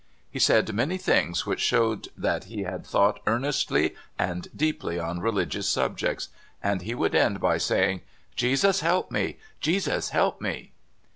He said many things which showed that he had thought earnestly and deeply on reli gious subjects, and he would end by saying: "Jesus, help me! Jesus, help me!